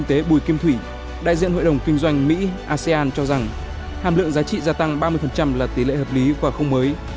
tiến sĩ asean cho rằng hàm lượng giá trị gia tăng ba mươi là tỷ lệ hợp lý và không mới